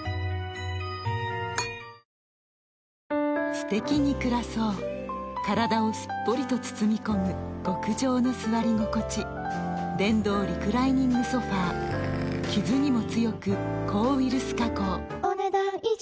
すてきに暮らそう体をすっぽりと包み込む極上の座り心地電動リクライニングソファ傷にも強く抗ウイルス加工お、ねだん以上。